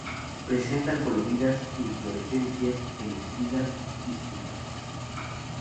Presentan coloridas inflorescencias en espigas dísticas.